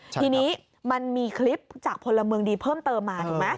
ทีนี้มันมีคลิปจากพลเมืองดีเพิ่มเติมมาถูกไหม